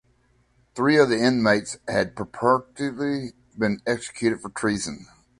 Three of the inmates had purportedly been executed for treason.